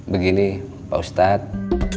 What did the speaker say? begini pak ustadz